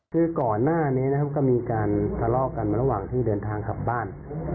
คือก่อนหน้านี้นะครับก็มีการทะเลาะกันระหว่างที่เดินทางกลับบ้าน